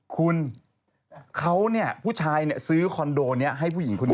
คุณเขาเนี่ยผู้ชายซื้อคอนโดนี้ให้ผู้หญิงคนนี้